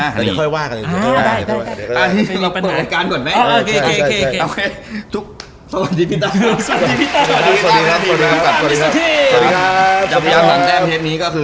แล้วเดี๋ยวค่อยว่ากันอีก